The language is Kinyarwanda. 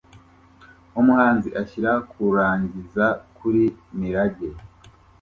Umuhanzi ashyira kurangiza kuri mirage